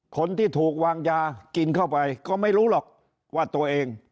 คนที่ถูกวางยากินเข้าไปก็ไม่รู้หรอกว่าตัวเอง